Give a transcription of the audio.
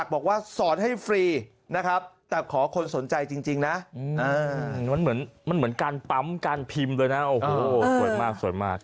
บอกว่าสอนให้ฟรีนะครับแต่ขอคนสนใจจริงนะมันเหมือนการปั๊มการพิมพ์เลยนะโอ้โหสวยมากสวยมาก